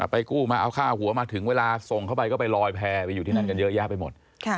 กู้มาเอาค่าหัวมาถึงเวลาส่งเข้าไปก็ไปลอยแพร่ไปอยู่ที่นั่นกันเยอะแยะไปหมด